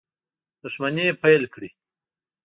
دښمني پیل کړي.